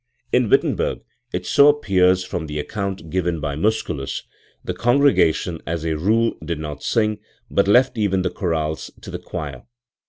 In Wittenberg so it appears from the account given by Musculus, the congregation as a rule did not sing, but left even the chorales to the choir.